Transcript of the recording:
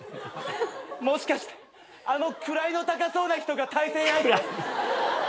もしかしてあの位の高そうな人が対戦相手？